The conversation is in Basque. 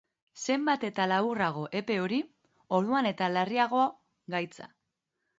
Zenbat eta laburrago epe hori, orduan eta larriago gaitza.